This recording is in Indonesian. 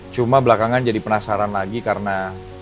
cuma belakangan jadi penasaran lagi karena